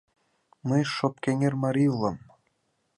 — Мый Шопкеҥер марий улам...